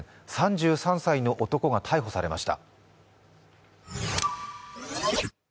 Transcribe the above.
３３歳の男が逮捕されました。